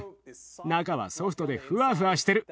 中はソフトでフワフワしてる。